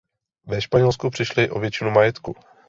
Ve Španělsku přišli o většinu majetku.